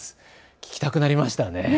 聴きたくなりましたね。